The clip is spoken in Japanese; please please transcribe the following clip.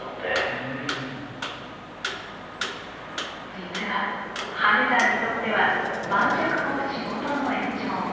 実は羽根さんにとっては晩酌も仕事の延長。